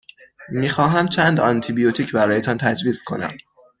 می خواهمم چند آنتی بیوتیک برایتان تجویز کنم.